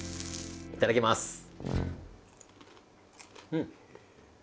いただきます。